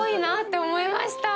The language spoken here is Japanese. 思いました